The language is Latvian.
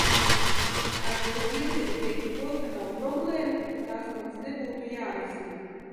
Tātad es negribu teikt to, ka nav problēmu un ka tās mums nebūtu jārisina.